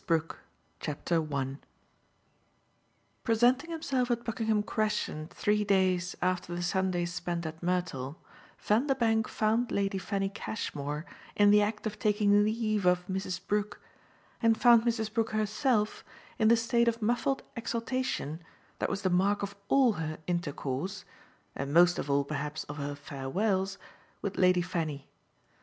BROOK Presenting himself at Buckingham Crescent three days after the Sunday spent at Mertle, Vanderbank found Lady Fanny Cashmore in the act of taking leave of Mrs. Brook and found Mrs. Brook herself in the state of muffled exaltation that was the mark of all her intercourse and most of all perhaps of her farewells with Lady Fanny.